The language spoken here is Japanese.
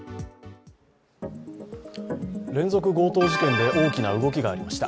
連続強盗事件で大きな動きがありました。